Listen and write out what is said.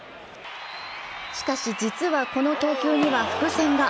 しかし実はこの投球には伏線が。